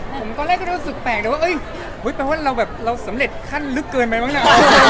จริงอ่ะตอนแรกก็รู้สึกแปลกดูว่าเอ้ยแปลว่าเราแบบเราสำเร็จขั้นลึกเกินไปบ้างนะ